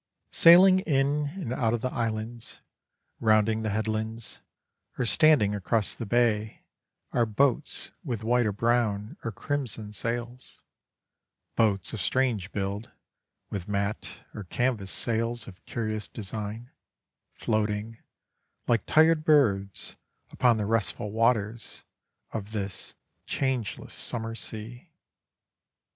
Sailing in and out the islands, rounding the headlands, or standing across the bay, are boats with white or brown or crimson sails; boats of strange build, with mat or canvas sails of curious design, floating, like tired birds, upon the restful waters of this "changeless summer sea."